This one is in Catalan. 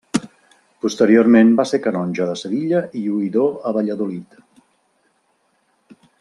Posteriorment va ser canonge de Sevilla i oïdor a Valladolid.